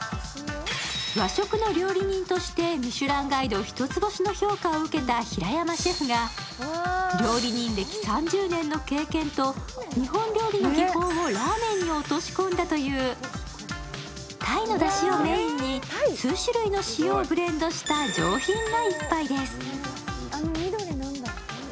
和食の料理人としてミシュランガイド一つ星の評価を受けた平山シェフが料理人歴３０年の経験と日本料理の技法をラーメンに落とし込んだという鯛のだしをメインに数種類の塩をブレンドした上品な一杯です。